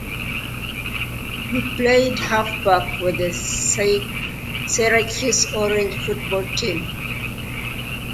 He played halfback for the Syracuse Orange football team.